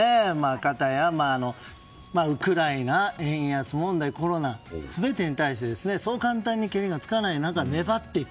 かたや、ウクライナ円安問題、コロナ全てに対して、そう簡単にけりがつかない中粘っていく。